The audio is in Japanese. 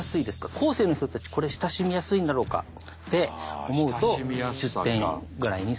後世の人たちこれ親しみやすいんだろうかって思うと１０点ぐらいにさせていただきました。